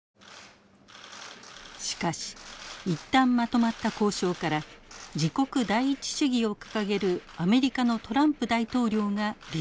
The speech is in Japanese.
しかし一旦まとまった交渉から自国第一主義を掲げるアメリカのトランプ大統領が離脱を表明。